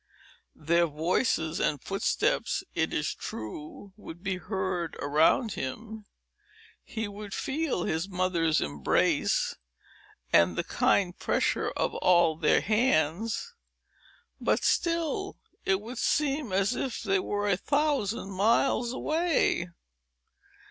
Their voices and footsteps, it is true, would be heard around him; he would feel his mother's embrace, and the kind pressure of all their hands; but still it would seem as if they were a thousand miles away.